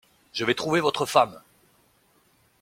Je vais trouver votre femme !